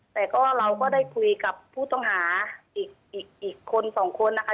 แต่ก็เราก็ได้คุยกับผู้ต้องหาอีกคนสองคนนะคะ